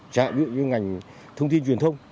chẳng hạn như ngành thông tin truyền thông